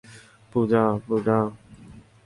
পূজা, পূজা।